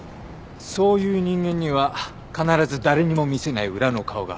そういう人間には必ず誰にも見せない裏の顔がある。